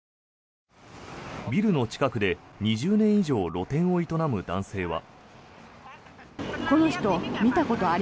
ビルの近くで２０年以上露店を営む男性は。